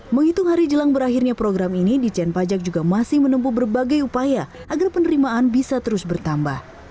menghitung hari jelang berakhirnya program ini dijen pajak juga masih menempuh berbagai upaya agar penerimaan bisa terus bertambah